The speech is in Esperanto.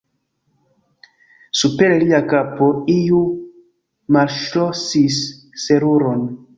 Super lia kapo iu malŝlosis seruron.